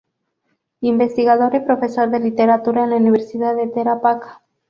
Investigador y Profesor de Literatura en la Universidad de Tarapacá.